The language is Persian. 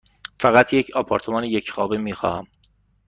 فقط یک آپارتمان یک خوابه می خواهم.